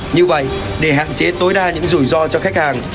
như vậy để hạn chế tối đa những rủi ro cho khách hàng